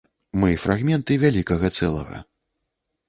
Мы фрагменты вялікага цэлага.